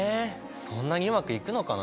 そんなにうまくいくのかな？